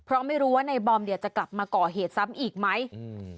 เพราะไม่รู้ว่าในบอมเนี่ยจะกลับมาก่อเหตุซ้ำอีกไหมอืม